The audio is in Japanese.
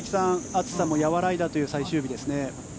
暑さも和らいだという最終日ですね。